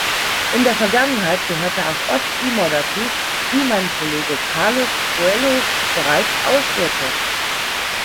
In der Vergangenheit gehörte auch Osttimor dazu, wie mein Kollege Carlos Coelho bereits ausführte.